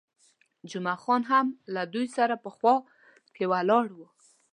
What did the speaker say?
جمعه خان هم له دوی سره په خوا کې ولاړ وو.